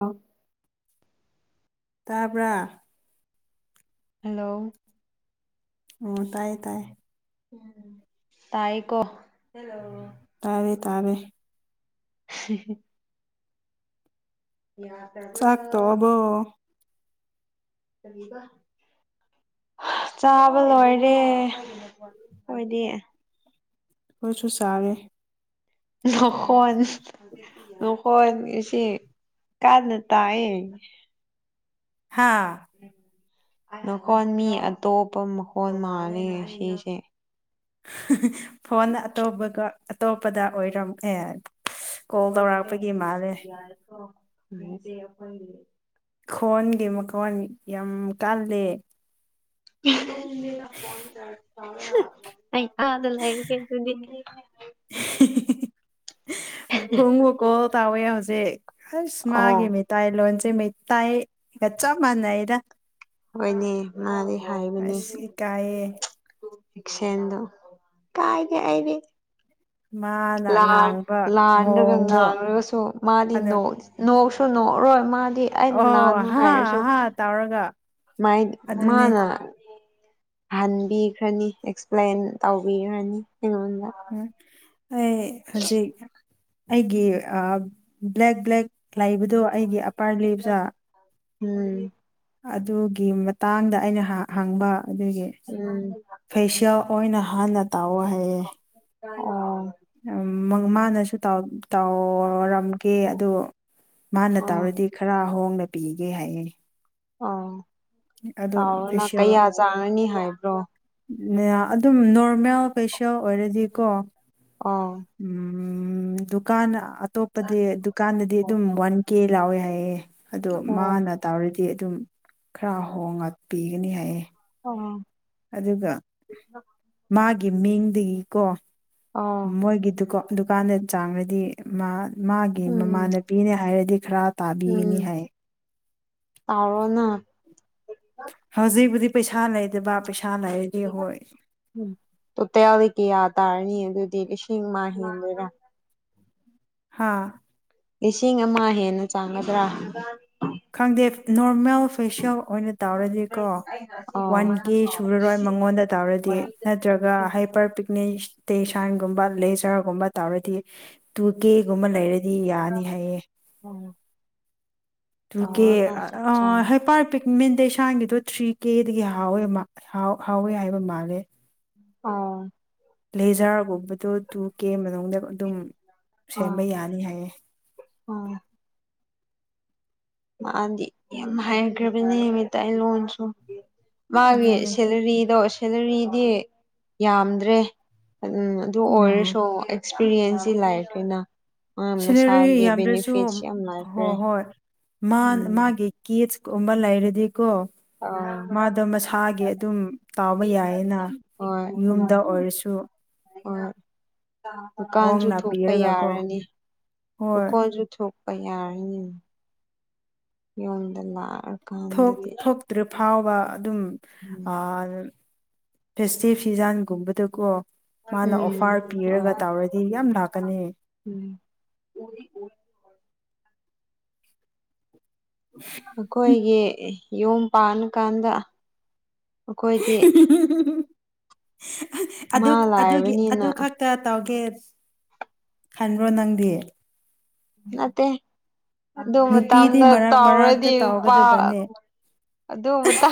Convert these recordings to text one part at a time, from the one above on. ꯑ ꯇꯥꯕ꯭ꯔꯥ ꯍꯂꯣ ꯑꯣ ꯇꯥꯏꯌꯦ ꯇꯥꯏꯌꯦ ꯇꯥꯏ ꯀꯣ ꯇꯥꯔꯦ ꯇꯥꯔꯦ ꯍ ꯆꯥꯛ ꯇꯣ ꯑꯕꯣ ꯀꯕ ꯆꯥꯕ ꯂꯣꯏꯔꯦ ꯑꯣꯏꯗꯤ ꯍꯣꯏꯁꯨꯨ ꯁꯔꯦ ꯅꯈꯣꯟ ꯅꯈꯣꯟ ꯀ ꯀ ꯇꯌꯦ ꯍꯥꯥ ꯃꯈꯣꯟ ꯃꯤ ꯑꯇꯣꯞꯄ ꯃꯈꯣꯟꯜ ꯃꯥꯜꯂꯤꯦ ꯁꯤꯁꯦ ꯐꯣꯟ ꯑꯇꯣꯞꯄꯒ ꯑꯇꯣꯞꯄꯗ ꯑꯣꯏꯔꯝ ꯑꯦ ꯀꯣꯜ ꯇꯧꯔꯛꯄꯒꯤ ꯃꯥꯜꯅꯦꯦ ꯎꯁꯦ ꯑꯩ ꯈꯣꯟꯒꯤ ꯃꯈꯣꯟ ꯌꯥꯝ ꯀꯥꯂ ꯑ ꯑ ꯂ ꯍꯥꯏ ꯀꯦ ꯀ [inaudible] ꯐꯨꯡꯕꯨꯀꯣꯜ ꯇꯧꯋꯦ ꯍꯧꯖꯤꯛ ꯑꯁ ꯑꯣ ꯃꯥꯒꯤ ꯃꯤꯇꯥꯏ ꯂꯣꯟ ꯃꯦꯠꯇꯑ ꯀꯆꯥ ꯃꯥꯟ ꯑꯦꯗ ꯍꯣꯏꯅꯤ ꯃꯥꯔꯤ ꯑꯁ ꯀꯑ ꯏꯁ ꯑꯗꯨ ꯀꯥꯏꯗꯦ ꯍꯥꯏꯗꯤ ꯃꯥꯅ ꯂꯥꯟ ꯉꯥꯡꯕ ꯂꯥꯟꯗꯒ ꯃꯑꯣꯡꯗꯣ ꯉꯥꯡꯉꯒꯁꯨ ꯃꯥꯗꯤ ꯑꯗ ꯅ ꯁꯨ ꯅꯣꯛꯎꯔꯣꯏ ꯃꯥꯗꯤ ꯑꯩꯅ ꯑꯣ ꯂꯥꯟꯅꯨ ꯍꯥ ꯍꯥꯏꯔꯁꯨ ꯍꯥ ꯇꯧꯔꯒ ꯃꯥꯏ ꯑꯗꯨꯅꯦ ꯃꯥꯅ ꯍꯟꯕꯤꯈ꯭ꯔꯅꯤ ꯑꯦꯛꯁꯄ꯭ꯂꯦꯟ ꯇꯧꯕꯤꯈ꯭ꯔꯅꯤ ꯑꯩꯉꯣꯟꯗ ꯎꯝ ꯑꯩ ꯍꯧꯖꯤꯛ ꯑꯩꯒꯤ ꯕ꯭ꯂꯦꯛ ꯕ꯭ꯂꯦꯛ ꯂꯩꯕꯗꯣ ꯑꯩꯒꯤ ꯑꯄꯥꯔ ꯂꯤꯞꯖ ꯎꯝ ꯑꯗꯨꯒꯤ ꯃꯇꯥꯡꯗ ꯑꯩꯅ ꯍꯪꯕ ꯑꯗꯨꯒꯤ ꯎꯝ ꯐꯦꯁꯤꯌꯦꯜ ꯍ ꯑꯣꯏꯅ ꯍꯥꯟꯅ ꯇꯥꯛꯑꯣ ꯍꯥꯏꯌꯦꯦ ꯑ ꯃꯥꯅꯁꯨ ꯇꯥꯎ ꯇꯧꯔꯝꯒꯦ ꯑꯗ ꯃꯥꯅ ꯑꯣ ꯇꯧꯔꯗꯤ ꯈꯔ ꯍꯣꯡꯅ ꯄꯤꯒꯦ ꯍꯥꯏꯌꯦꯦ ꯑꯣ ꯂꯑꯣꯅ ꯐꯦꯁꯤꯌꯦꯜ ꯀꯌꯥ ꯆꯥꯅꯅꯤ ꯍꯥꯏꯕ꯭ꯔꯣ ꯑꯗꯨꯝ ꯅꯣꯔꯃꯦꯜ ꯐꯦꯁꯤꯌꯦꯜ ꯑꯣꯏꯔꯗꯤꯀꯣ ꯑ ꯎꯝ ꯗꯨꯀꯥꯟ ꯑꯇꯣꯞꯄꯗꯤ ꯗꯨꯀꯥꯟꯗꯗꯤ ꯑꯗꯨꯝ ꯋꯥꯟ ꯀꯦ ꯂꯥꯎꯋꯦ ꯍꯥꯏꯌꯦ ꯑꯗꯣ ꯑꯣ ꯃꯥꯅ ꯇꯧꯔꯗꯤ ꯑꯗꯨꯝ ꯈꯔ ꯍꯣꯡꯉꯛꯄꯤꯒꯅꯤ ꯍꯥꯏꯌꯦ ꯑꯣ ꯑꯗꯨꯒ ꯃꯥꯒꯤ ꯃꯤꯡꯗꯒꯤꯀꯣ ꯑꯣ ꯃꯣꯏꯒꯤ ꯗꯨ ꯗꯨꯀꯥꯟꯗ ꯆꯥꯡꯅꯗꯤ ꯃꯥ ꯃꯥꯒꯤ ꯎꯝ ꯃꯃꯥꯟꯅꯄꯤꯅꯦ ꯍꯥꯏꯔꯗꯤ ꯑꯈꯔꯥ ꯇꯥꯕꯤꯅꯤ ꯍꯥꯏ ꯇꯥꯔꯣꯅ ꯍꯧꯖꯤꯛꯄꯨꯗꯤ ꯄꯩꯁꯥ ꯂꯩꯗꯕ ꯄꯩꯁꯥ ꯂꯩꯔꯗꯤ ꯍꯣꯏ ꯇꯇꯌꯥꯗꯤ ꯀ ꯌꯥꯗ ꯇꯔꯅꯤ ꯑꯗꯨꯗꯤ ꯁꯤꯁꯤꯡ ꯃꯥ ꯍꯍꯤꯗꯨꯔ ꯍꯥꯥ ꯂꯤꯁꯤꯡ ꯑꯃ ꯍꯦꯟꯅ ꯆꯪꯒꯗ꯭ꯔꯥ ꯈꯪꯗꯦ ꯅꯣꯔꯃꯦꯜ ꯐꯦꯁꯤꯌꯦꯜ ꯑꯣꯏꯅ ꯇꯧꯔꯗꯤꯀꯣ ꯑꯣ ꯋꯥꯟ ꯀꯦ ꯁꯨꯔꯔꯣꯏ ꯃꯉꯣꯟꯗ ꯇꯧꯔꯗꯤ ꯅꯠꯇ꯭ꯔꯒ ꯍꯥꯏꯄꯔ ꯄꯤꯛꯅꯤ ꯇꯦꯁꯟꯒꯨꯝꯕ ꯂꯦꯖꯔꯒꯨꯝꯕ ꯇꯧꯔꯗꯤ ꯇꯨ ꯒꯦꯒꯨꯝꯕ ꯂꯩꯔꯗꯤ ꯌꯥꯅꯤ ꯍꯥꯏꯌꯦ ꯇ ꯀꯦ ꯇꯧꯔꯣꯅ ꯆꯞ ꯑ ꯆꯥꯅ ꯍ ꯄꯔ ꯄꯤ ꯃꯦꯟꯇꯁꯥꯡꯒꯤꯗꯣ ꯊ꯭ꯔꯤ ꯀꯦꯗꯒꯤ ꯍꯥꯎꯋꯦ ꯍꯥꯎꯋꯦ ꯍꯥꯏꯕ ꯃꯥꯜꯂꯦ ꯑꯥ ꯂꯩꯖꯥꯔꯒꯨꯝꯕꯗꯣ ꯇꯨ ꯀꯦ ꯑꯗꯨꯝ ꯑꯣ ꯁꯦꯝꯕ ꯌꯥꯅꯤ ꯍꯥꯏꯌꯦ ꯑꯣ ꯃꯥꯗꯤ ꯌꯥꯝ ꯍꯥꯏꯈ꯭ꯔꯕꯅꯦ ꯅꯨꯃꯤꯠꯇ ꯑꯩ ꯂꯣꯟꯁꯨ ꯃꯥꯒꯤ ꯑꯗꯨꯅꯦ ꯁꯦꯂꯔꯤꯗꯣ ꯁꯦꯂꯔꯤꯗꯤ ꯌꯥꯝꯗ꯭ꯔꯦ ꯎꯝꯝ ꯑꯗꯨ ꯎꯝ ꯑꯣꯏꯔꯁꯨ ꯑꯦꯛꯁꯄꯤꯔꯤꯌꯦꯟꯁꯁꯤ ꯂꯥꯏꯐ ꯑꯣꯏꯅ ꯅ ꯁꯦꯂꯔꯤ ꯁꯒꯦ ꯌꯥꯝꯗ꯭ꯔꯁꯨ ꯅꯤꯐꯤꯠꯁꯤ ꯌꯥꯝ ꯍꯣꯏ ꯂꯥꯏꯐꯔꯦ ꯍꯣꯏ ꯃꯥꯒꯤ ꯀꯤꯠꯁꯀꯨꯝꯕ ꯂꯩꯔꯗꯤꯀꯣ ꯑꯥ ꯃꯥꯗ ꯃꯁꯥꯒꯤ ꯑꯗꯨꯝ ꯇꯥꯎꯕ ꯌꯥꯏꯌꯦꯅ ꯍꯣꯏ ꯎꯝ ꯌꯨꯝꯗ ꯑꯣꯏꯔꯁꯨ ꯍꯣꯏ ꯗꯨꯀꯥꯟꯁꯨ ꯍꯣꯡꯅ ꯊꯣꯛꯄ ꯄꯤꯔꯒꯀꯣ ꯌꯥꯔꯅꯤ ꯍꯣꯏ ꯀꯣꯟꯁꯨ ꯄꯌꯥꯔꯤ ꯌꯗꯂ ꯊꯣꯛꯇ꯭ꯔꯤ ꯐꯥꯎꯕ ꯑꯗꯨꯝ ꯐꯦꯁꯇꯤ ꯐꯤꯖꯥꯟꯒꯨꯝꯕꯗꯀꯣ ꯃꯥꯅ ꯎꯝ ꯑꯣꯐꯥꯔ ꯄꯤꯔꯒ ꯍꯣꯏ ꯇꯧꯔꯗꯤ ꯌꯥꯝ ꯂꯥꯛꯀꯅꯤ ꯎꯗꯤ ꯑꯣꯏ ꯑꯩꯈꯣꯏꯒꯤ ꯌꯨꯝ ꯄꯥꯟꯕꯥꯟ ꯀꯥꯟꯗ ꯑꯩꯈꯣꯏꯗꯤ [unintelligible] ꯃꯥ ꯑꯗꯨ ꯑꯗꯨꯒꯤ ꯂꯥꯏꯔꯕꯅꯤꯅ ꯑꯗꯨ ꯈꯛꯇ ꯇꯧꯒꯦ ꯈꯟꯕ꯭ꯔꯣ ꯅꯪꯗꯤꯌꯦ ꯅꯠꯇꯦ ꯑꯗꯨ ꯅꯨꯄꯤꯗꯤ ꯃꯇꯝꯗ ꯃꯔꯛ ꯃꯔꯛꯇ ꯇꯧꯔꯗꯤ ꯂꯄꯥ ꯇꯧꯒꯗꯕꯅꯦ ꯑꯗꯨ ꯃꯇ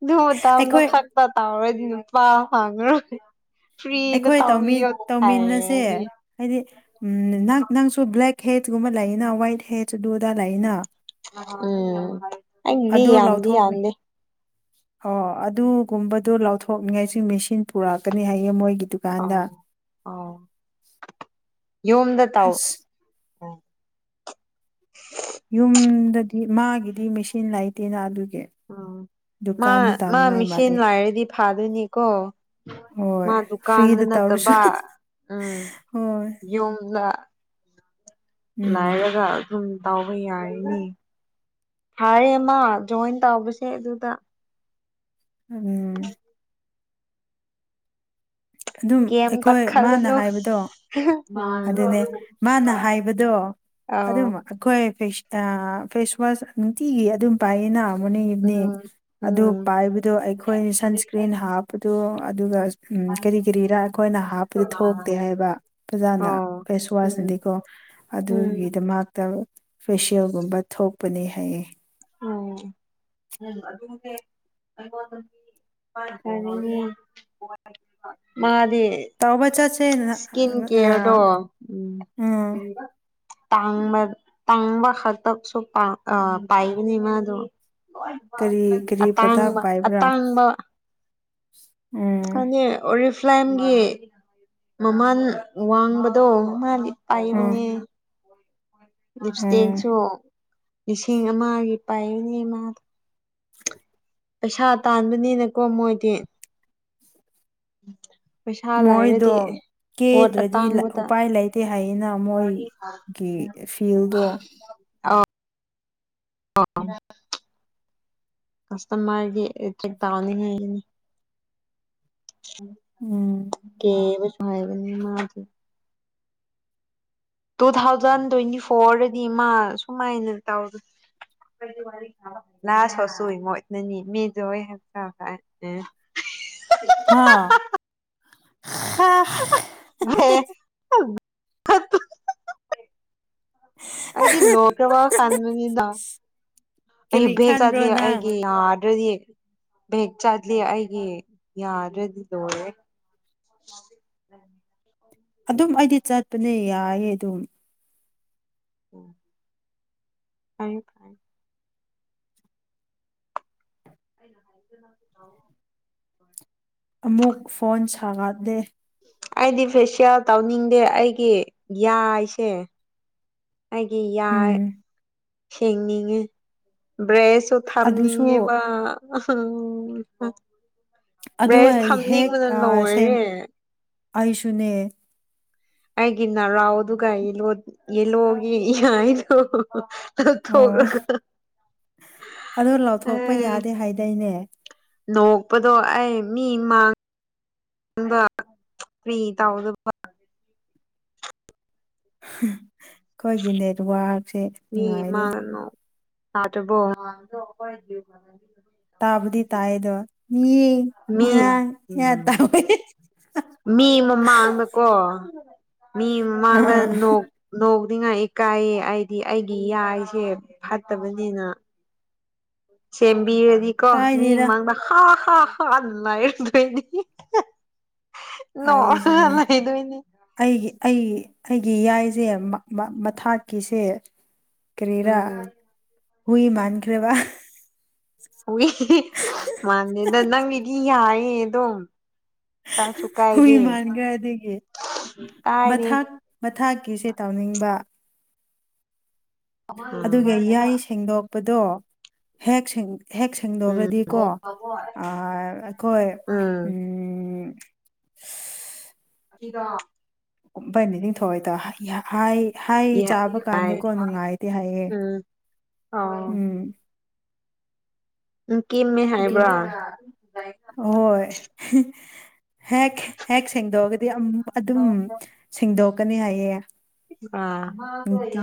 ꯑꯗꯨ ꯃꯇꯅ ꯑꯩꯈꯣꯏ ꯈꯛꯇ ꯇꯥꯔꯗꯤ ꯅꯨꯄꯥ ꯑꯉ ꯑꯩꯈꯣꯏ ꯇꯧ ꯇꯧꯃꯤꯟꯅꯁꯦ ꯍꯥꯏꯗꯤ ꯎꯝ ꯅꯪ ꯅꯪꯁꯨ ꯕ꯭ꯂꯦꯛ ꯍꯦꯠꯀꯨꯝꯕ ꯂꯩꯅ ꯋꯥꯏꯠ ꯍꯦꯠ ꯑꯗꯨ꯭ꯂꯗꯥ ꯂꯩꯅ ꯎꯝ ꯑꯩꯒꯤ ꯑꯗꯨ ꯌꯥꯝꯗꯤ ꯂꯧꯊꯣꯛ ꯌꯥꯝꯗ ꯑꯣ ꯑꯗꯨꯒꯨꯝꯕꯗꯣ ꯂꯥꯎꯊꯣꯛꯅꯤꯡꯉꯥꯏꯁꯨ ꯃꯦꯆꯤꯟ ꯄꯨꯔꯛꯀꯅꯤ ꯍꯥꯏꯌꯦ ꯃꯣꯏꯒꯤ ꯑ ꯗꯨꯀꯥꯟꯗ ꯑ ꯌꯨꯝꯗ ꯇꯥꯎ ꯑꯁ ꯎꯝ ꯌꯨꯝꯗꯗꯤ ꯃꯥꯒꯤꯗꯤ ꯃꯦꯆꯤꯟ ꯂꯩꯇꯦꯅ ꯑꯗꯨ ꯎ ꯃꯥ ꯃꯥ ꯃꯤꯁꯦꯟ ꯃꯥꯜꯂꯦ ꯂꯥꯏꯔꯗꯤ ꯐꯥꯗꯣꯏꯅꯤꯀꯣ ꯍꯣꯏ ꯃꯥ ꯗꯨꯀꯥꯟꯗ ꯐ꯭ꯔꯤꯗ ꯇꯧꯔꯁꯨ ꯅꯠꯇꯕ ꯎꯝ ꯍꯣꯏ ꯌꯨꯝꯗ ꯎꯝ ꯂꯥꯏꯔꯒ ꯑꯗꯨꯝ ꯇꯕ ꯌꯥꯔꯅꯤ ꯐꯔꯦꯃ ꯖꯣꯏꯟ ꯇꯧꯕꯁꯦ ꯑꯗꯨꯗ ꯎꯝ ꯑꯗꯨꯝ ꯀꯩꯝꯇ ꯑꯩꯈꯣꯏ ꯃꯥꯅ ꯈꯜꯂꯨꯅꯨ ꯍꯥꯏꯕꯗꯣ ꯑꯗꯨꯅꯦ ꯃꯥꯅ ꯍꯥꯏꯕꯗꯣ ꯑꯧ ꯑꯗꯨꯝ ꯑꯩꯈꯣꯏ ꯐꯦꯁꯋꯥꯁ ꯅꯨꯡꯇꯤꯒꯤ ꯑꯗꯨꯝ ꯄꯥꯏꯌꯦꯅ ꯃꯣꯔꯅꯤꯡ ꯏꯚꯅꯤꯡ ꯎꯝ ꯑꯗꯨ ꯎꯝ ꯄꯥꯏꯕꯗꯣ ꯑꯩꯈꯣꯏꯅ ꯁꯟꯁꯀ꯭ꯔꯤꯟ ꯍꯥꯞꯄꯗꯣ ꯑꯗꯨꯒ ꯎꯝ ꯀꯔꯤ ꯀꯔꯤꯔꯥ ꯑꯩꯈꯣꯏꯅ ꯍꯥꯞꯄꯗꯤ ꯊꯣꯛꯇꯦ ꯍꯥꯏꯕ ꯑꯣꯖꯥꯅ ꯑꯣ ꯐꯦꯁ ꯎꯝ ꯋꯥꯁꯅꯗꯤꯀꯣ ꯎꯝ ꯑꯗꯨꯒꯤꯗꯃ ꯐꯦꯁꯤꯌꯦꯜꯒꯨꯝꯕ ꯊꯣꯛꯄꯅꯦ ꯍꯥꯏꯌꯦ ꯑꯣ ꯑꯗꯨ ꯃꯥ ꯇꯧꯕ ꯆꯠꯁꯦ ꯅ ꯏꯁꯀꯤꯟ ꯑ ꯀꯦꯌꯔꯗꯣ ꯎ ꯎꯝ ꯇꯥꯡꯕ ꯇꯥꯡꯕ ꯈꯛꯇꯁꯨ ꯄ ꯑ ꯄꯥꯏꯕꯅꯦ ꯃꯥꯗꯨ ꯀꯔꯤ ꯀꯔꯤ ꯄ꯭ꯔꯗꯛ ꯑꯇꯥꯡꯕ ꯄꯥꯏꯕ꯭ꯔꯥ ꯑꯇꯥꯡꯕ ꯎꯝ ꯑꯅꯤ ꯑꯣꯔꯤꯐ ꯐꯥꯏꯝꯒꯤ ꯃꯃꯥꯟ ꯋꯥꯡꯕꯗꯣ ꯃꯥꯗꯤ ꯑ ꯎꯝ ꯂꯤꯞ ꯎꯝ ꯏꯁꯇꯤꯦꯛꯁꯨ ꯂꯤꯁꯤꯡ ꯑꯃꯒꯤ ꯄꯥꯏꯕꯅꯦ ꯃꯥꯗꯣ ꯄꯩꯁꯥ ꯇꯥꯟꯕꯅꯤꯅꯀꯣ ꯃꯣꯏꯗꯤ ꯄꯩꯁꯥ ꯂꯥꯏꯔꯗꯤ ꯃꯣꯏꯗꯣ ꯄꯣꯠ ꯀꯦꯗ꯭ꯔꯗꯤ ꯂ- ꯑꯇꯥꯡꯕꯗ ꯎꯄꯥꯏ ꯂꯩꯇꯦ ꯍꯥꯏꯌꯦꯅ ꯃꯣꯏꯒꯤ ꯐꯤꯜꯗꯣ ꯑꯣ ꯑꯣ ꯀꯁꯇꯃꯔꯒꯤ ꯆꯦꯛ ꯇꯥꯎꯅꯤ ꯍꯥꯏꯅꯤ ꯎꯝ ꯀ ꯁꯃꯏ ꯀꯅꯤ ꯃꯥꯁꯤ ꯇꯨ ꯊꯥꯎꯖꯟ ꯇ꯭ꯋꯦꯟꯇꯤ ꯐꯣꯔꯗꯗꯤ ꯃꯥ ꯁꯨꯃꯥꯏꯅ ꯇꯧꯔ ꯂ ꯁꯣꯠꯁꯨꯏ ꯃꯣꯏꯅꯅꯤ ꯃꯤꯗ ꯍ ꯍ ꯑꯦ ꯍꯥ ꯍꯥ ꯑꯩꯗꯤ ꯂ ꯀꯔꯕ ꯈꯥꯟꯃꯤꯅꯤ ꯅ ꯑꯩ ꯀꯔꯤ ꯈꯟꯕ꯭ꯔꯣ ꯦꯒꯗꯂꯤ ꯅꯪ ꯑꯩꯒꯤꯗꯔꯗꯤ ꯚꯦꯛ ꯆꯥꯠꯂꯤ ꯑꯩꯒꯤ ꯌꯥꯔ꯭ꯔꯗꯤ ꯂꯣꯏꯔꯦ [inaudible] ꯑꯗꯨꯝ ꯑꯩꯗꯤ ꯆꯠꯄꯅꯦ ꯌꯥꯏꯌꯦ ꯑꯗꯨꯝ ꯎꯝ ꯐ ꯐꯥꯏ ꯑ ꯂ ꯇꯑꯣꯣ ꯑꯃꯨꯛ ꯐꯣꯟ ꯁꯥꯒꯠꯂꯦ ꯑꯩꯗꯤ ꯐꯦꯁꯤꯌꯦꯜ ꯇꯧꯅꯤꯡꯗꯦ ꯑꯩꯒꯤ ꯌꯥꯏꯁꯦ ꯑꯩꯒꯤ ꯌꯥ ꯎꯝ ꯁꯦꯡꯅꯤꯡꯉꯤ ꯕ꯭ꯔꯦꯁ ꯑꯗꯨꯁꯨ ꯊꯝꯅꯤꯡꯉꯦꯕ ꯑꯗꯨ ꯑꯩꯁ ꯑꯩ ꯍꯦꯛ ꯊꯝꯅꯤꯡꯕꯅ ꯑ, ꯁꯦꯝ ꯂꯣꯏꯔꯦ ꯑꯩꯁꯨꯅꯦ ꯑꯩꯒꯤ ꯅꯔꯥꯎꯗꯨ ꯌꯦꯂꯣꯒꯤ ꯏ ꯊ꯭ꯔ ꯑꯣ ꯑꯗꯨ ꯂꯧꯊꯣꯛꯄ ꯎꯝ ꯌꯥꯗꯦ ꯍꯥꯏꯗꯥꯏꯅꯦ ꯅꯛꯄꯗꯣ ꯑꯩ ꯃꯤ ꯃꯥꯡꯉ ꯝꯕ ꯐꯔꯤ ꯇꯥꯎꯗꯕ ꯑꯩꯈꯣꯏꯒꯤ ꯅꯦꯠꯋꯔꯛꯁꯦ ꯅꯨꯡꯉꯥꯏꯔꯦ ꯑꯇꯄꯣ ꯇꯥꯕꯨꯗꯤ ꯇꯥꯏꯗꯣ ꯃꯤ ꯃꯤꯌꯦ ꯇꯥꯕ ꯃꯤ ꯃꯃꯥꯡꯗꯀꯣ ꯃꯤ ꯃꯃꯥꯡꯗ ꯑꯥ ꯅꯤꯡꯉꯥꯏ ꯏꯀꯥꯏꯌꯦ ꯑꯩꯗꯤ ꯑꯩꯒꯤ ꯌꯥꯏꯁꯦ ꯐꯠꯇꯕꯅꯤꯅ ꯁꯦꯝꯕꯤꯔꯗꯤꯀꯣ ꯃꯤ ꯀꯥꯏꯗꯦꯗ ꯃꯥꯡꯗ ꯍꯥ ꯈꯥ ꯑ ꯂꯥꯏꯔꯗꯅꯤ ꯍꯥꯏꯁꯤꯅꯦ ꯑꯩꯒꯤ ꯑꯩꯒꯤ ꯑꯩꯒꯤ ꯌꯥꯏꯁꯦ ꯃꯊꯥꯛꯀꯤꯁꯦ ꯀꯔꯤꯔꯥ ꯎꯝ ꯍꯨꯏꯃꯥꯟꯈ꯭ꯔꯦ ꯋꯥ ꯍ ꯃꯥꯟꯅꯦꯗ ꯅꯪꯒꯤꯗꯤ ꯌꯥꯌꯦ ꯑꯗꯨꯝ ꯀꯥꯏꯁꯨ ꯀꯥꯏꯗꯦ ꯍꯨꯏꯃꯥꯟꯈꯗꯒꯤ ꯀꯥꯏꯗꯦ ꯃꯊꯛ ꯃꯊꯥꯀꯤ ꯀ ꯆꯠꯄꯥꯦꯁꯦ ꯇꯧꯅꯤꯡꯕ ꯎꯝ ꯑꯗꯨꯒ ꯌꯥꯏ ꯁꯦꯡꯗꯣꯛꯄꯗꯣ ꯍꯦꯛꯦꯡ ꯍꯦꯛ ꯎꯝ ꯁꯦꯡꯗꯣꯛꯈ꯭ꯔꯗꯤꯀꯣ ꯑꯩꯈꯣꯏ ꯎꯝ ꯒꯤꯗꫭ [unintelligible] ꯅꯤ ꯅꯤꯡꯊꯧꯑꯏꯗꯣ ꯍꯥꯏ ꯍꯥꯏ ꯌꯥ ꯆꯥꯕ ꯍꯥꯏ ꯀꯥꯟꯗꯀꯣ ꯅꯨꯡꯉꯥꯏꯇꯦ ꯍꯥꯏꯌꯦ ꯎꯝ ꯑꯣ ꯎꯝ ꯎ ꯀꯦꯝꯃꯦ ꯑꯗꯨꯝ ꯍꯥꯏꯕ꯭ꯔꯥ ꯍꯣꯏ ꯍꯦꯛ ꯍꯦꯛ ꯁꯦꯡꯗꯣꯛꯑꯒꯗꯤ ꯑꯗꯨꯝ ꯁꯦꯡꯗꯣꯛꯀꯅꯤ ꯍꯥꯏꯌꯦ [inaudible] ꯅꯨꯡꯇꯤ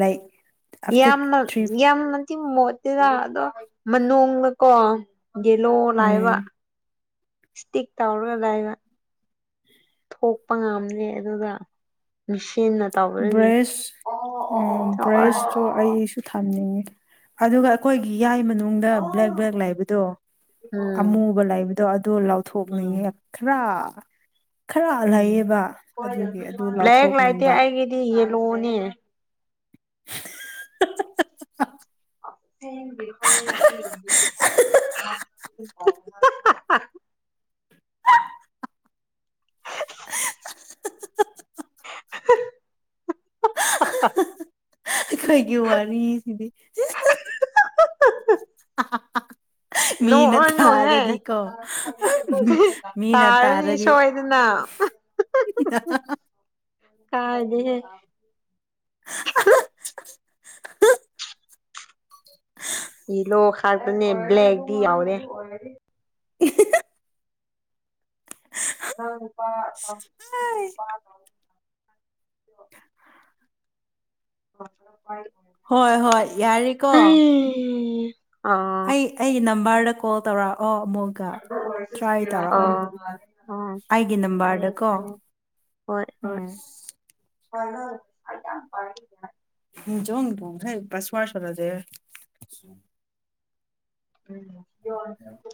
ꯂꯥꯏꯛ ꯌꯥꯝ ꯑꯥꯐꯇꯔ ꯊ꯭ꯔꯤ ꯌꯥꯝ [unintelligible] ꯃꯣꯠꯇꯦꯗ ꯑꯗꯣ ꯃꯅꯨꯡꯒꯀꯣ ꯌꯦꯂꯣ ꯂꯥꯏꯕ ꯎꯝ ꯁꯇꯤ ꯇꯧꯔꯒꯗꯑꯒ ꯊꯣꯛꯄ ꯉꯝꯗꯦ ꯑꯗꯨꯗ ꯕ꯭ꯔꯁ ꯊꯣꯛꯑꯦ ꯕ꯭ꯔꯁꯇꯣ ꯑꯩꯁꯨ ꯊꯝꯅꯤꯡꯉꯤ ꯑꯗꯨꯒ ꯑꯩꯈꯣꯏꯒꯤ ꯌꯥꯏ ꯃꯅꯨꯡꯗ ꯕ꯭ꯂꯦꯛ ꯕ꯭ꯂꯦꯛ ꯂꯥꯏꯕꯗꯣ ꯎꯝ ꯑꯃꯨꯕ ꯂꯥꯏꯕꯗ ꯑꯗꯣ ꯑꯗꯣ ꯂꯥꯎꯊꯣꯛꯅꯤꯡꯉꯦ ꯈꯔ ꯈꯔ ꯎꯝ ꯂꯩꯌꯦꯕ ꯑꯗꯨꯒꯤ ꯑꯗꯨ ꯕ꯭ꯂꯦꯛ ꯂꯥꯏꯇꯦ ꯂꯥꯎꯊꯣꯛꯅꯤꯡꯕ ꯑꯩꯒꯤꯗꯤ ꯌꯦꯂꯣꯅꯦ [inaudible] [unintelligible] [inaudible] [inaudible] [inaudible] [unintelligible] ꯑꯩꯈꫭꯏꯒꯤ ꯋꯥꯔꯤ ꯁꯤꯗꯤ [unintelligible] ꯃꯤꯅ ꯅꯣꯛꯑꯣꯏ ꯅꯣꯎꯍ‌ꯦ ꯊꯥꯔꯗꯤꯀꯣ ꯃꯤꯅ ꯇꯥꯔꯅꯤ ꯇꯥꯔꯗꯤ ꯁꯣꯏꯗꯅ ꯑ [unintelligible] [unintelligible] ꯀꯥꯏꯗꯦꯍ‌ꯦ ꯑ [unintelligible] ꯌꯦꯂꯣ ꯍꯥꯏꯕꯅꯦ ꯕ꯭ꯂꯦꯛꯗꯤ ꯌꯥꯎꯔꯦ [unintelligible] ꯅ ꯄꯪ ꯑꯥꯏ [unintelligible] ꯍ [unintelligible] ꯍꯣꯏ ꯍꯣꯏ ꯌꯥꯔꯦꯀꯣ ꯍꯩ ꯑꯥ ꯑꯩ ꯑꯩꯒꯤ ꯅꯝꯕꯔꯗ ꯀꯣꯜ ꯇꯧꯔꯛ ꯑꯣ ꯑꯃꯨꯛꯀ ꯇ꯭ꯔꯥꯏ ꯇꯧꯔꯛꯑꯣ ꯑꯣ ꯑꯣ ꯑꯩꯒꯤ ꯐꯔꯦ ꯅꯝꯕꯔꯗꯀꯣ ꯐꯔꯦ ꯎꯝ ꯄꯔ ꯄꯔ [unintelligible] ꯝ ꯆꯣꯡꯉꯉ ꯄꯁꯃꯁꯨꯂꯗꯦ [unintelligible] ꯎꯝ [unintelligible]